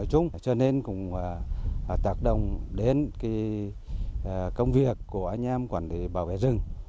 cho nên cũng tác động đến công việc của anh em quản lý bảo vệ rừng